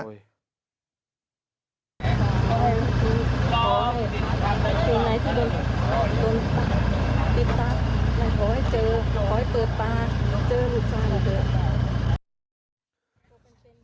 ขอให้เปิดตาเจอหลูกชายก็เปิดตา